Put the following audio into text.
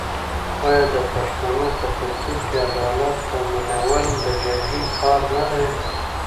آیا د پښتنو په کلتور کې عدالت تامینول د جرګې کار نه دی؟